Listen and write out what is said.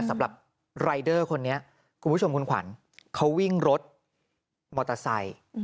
สำหรับรายเดอร์คนนี้คุณผู้ชมคุณขวัญเขาวิ่งรถมอเตอร์ไซค์